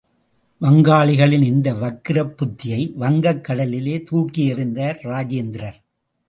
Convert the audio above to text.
வங்காளிகளின் இந்த வக்ரப் புத்தியை வங்கக் கடலிலே தூக்கி எறிந்தார் இராஜேந்திரர்!